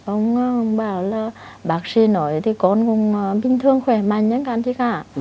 ông bảo là bác sĩ nói thì con cũng bình thường khỏe mạnh nhanh càng chứ cả